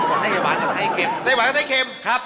ไส้หวานก็ไส้เข็ม